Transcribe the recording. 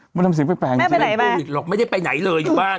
มันทำเสียงแม่แปลกจริงมันไม่ได้รู้หรอกไม่ได้ไปไหนเลยอยู่บ้าน